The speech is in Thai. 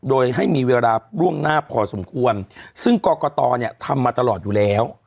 โดยให้มีเวลาล่วงหน้าพอสมควรซึ่งกรกตเนี่ยทำมาตลอดอยู่แล้ว